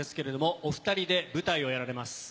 お２人で舞台をやられます。